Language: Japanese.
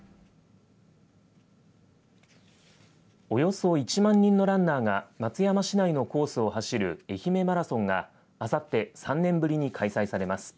およそ１万人のランナーが松山市内のコースを走る愛媛マラソンが、あさって３年ぶりに開催されます。